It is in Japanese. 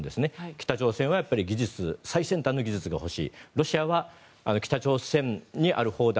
北朝鮮は最先端の技術が欲しいロシアは北朝鮮にある砲弾。